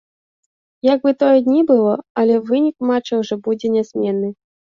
Як бы тое ні было, але вынік матч ужо будзе нязменны.